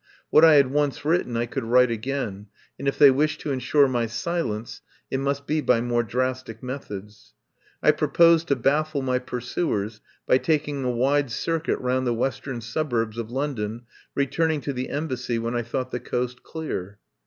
What I had once written I could write again, and if they wished to ensure my silence it must be by more drastic methods. I proposed to baffle my pursuers by taking a wide circuit round the western suburbs of London, returning to the Embassy when I thought the coast clear.